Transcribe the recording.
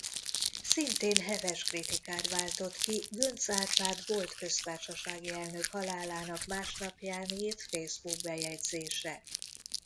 Szintén heves kritikát váltott ki Göncz Árpád volt köztársasági elnök halálának másnapján írt Facebook-bejegyzése.